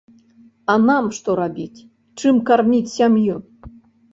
А нам што рабіць, чым карміць сям'ю?